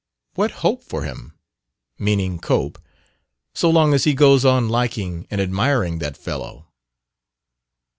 "What hope for him" meaning Cope "so long as he goes on liking and admiring that fellow?"